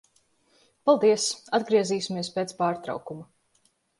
Paldies. Atgriezīsimies pēc pārtraukuma.